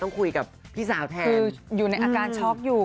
คุยกับพี่สาวแทนคืออยู่ในอาการช็อกอยู่